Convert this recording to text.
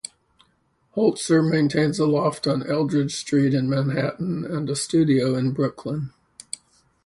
Holzer maintains a loft on Eldridge Street in Manhattan and a studio in Brooklyn.